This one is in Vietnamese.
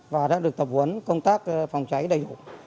và đã được tập huấn công tác phòng cháy đầy đủ